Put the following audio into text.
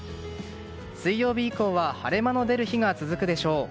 水曜日以降は晴れ間の出る日が続くでしょう。